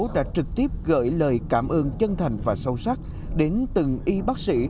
đã trực tiếp gửi lời cảm ơn chân thành và sâu sắc đến từng y bác sĩ